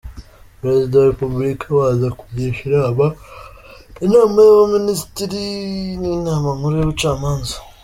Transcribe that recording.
Perezida wa Repubulika abanza kugisha inama Inama y’Abaminisitiri n’Inama Nkuru y’Ubucamanza.